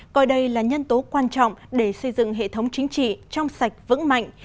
coi đây là nhân tố quan trọng để xây dựng hệ thống chính trị trong sạch vững mạnh